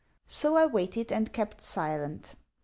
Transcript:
So I waited and kept silent.